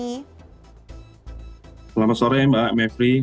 selamat sore mbak mepri